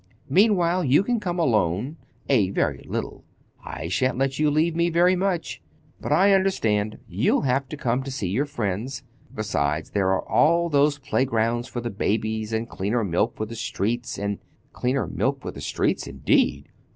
Meanwhile, you can come alone—a very little. I shan't let you leave me very much. But I understand; you'll have to come to see your friends. Besides, there are all those playgrounds for the babies and cleaner milk for the streets, and—" "Cleaner milk for the streets, indeed!"